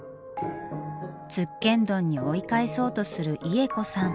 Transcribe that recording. つっけんどんに追い返そうとするイエコさん。